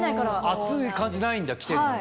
暑い感じないんだ？着てるのに。